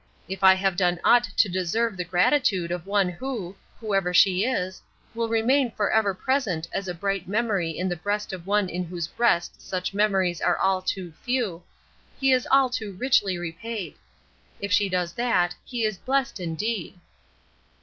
If I have done aught to deserve the gratitude of one who, whoever she is, will remain for ever present as a bright memory in the breast of one in whose breast such memories are all too few, he is all too richly repaid. If she does that, he is blessed indeed."